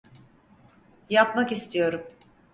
Yapmak istiyorum.